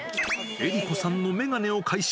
江里子さんの眼鏡を回収。